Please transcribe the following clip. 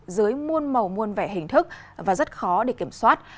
dưới muôn màu muôn vẻ hình thức và rất khó để kiểm soát